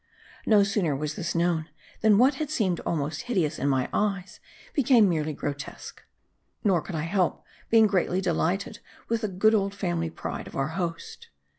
No sooner was this known, than what had seemed almost hideous in my eyes, became merely grotesque. Nor could I help being greatly delighted with the good old family pride of our host.